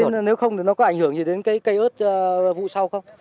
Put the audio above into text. nếu không thì nó có ảnh hưởng gì đến cái cây ớt vụ sau không